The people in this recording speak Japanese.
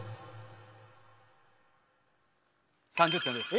３０点です。